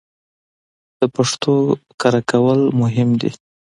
د پښتو کره کول مهم دي